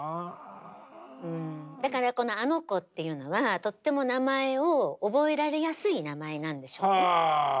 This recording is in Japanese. だからこのあの娘っていうのはとっても名前を覚えられやすい名前なんでしょうね。